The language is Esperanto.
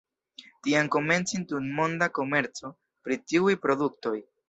Tiam komencis tutmonda komerco pri tiuj produktoj.